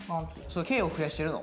それ毛を増やしてるの？